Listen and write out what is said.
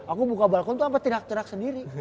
aku buka balkon tuh sampe tirak tirak sendiri